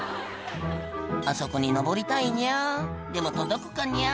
「あそこに上りたいニャでも届くかニャ？」